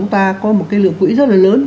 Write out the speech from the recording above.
chúng ta có một cái lượng quỹ rất là lớn